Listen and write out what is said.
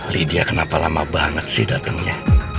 lydia kenapa lama banget sih datangnya